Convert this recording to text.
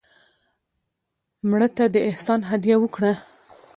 مړه ته د احسان هدیه وکړه